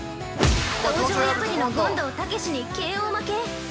◆道場破りの権藤猛にＫＯ負け。